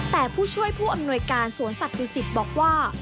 แต่ผู้ช่วยผู้อำนวยการสวนสัตวศิษฐ์บอกว่า